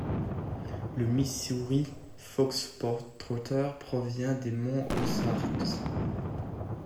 Le Missouri Fox Trotteur provient des Monts Ozarks.